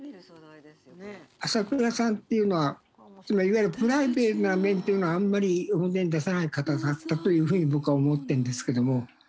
朝倉さんっていうのはいわゆるプライベートな面っていうのはあんまり表に出さない方だったというふうに僕は思ってんですけども。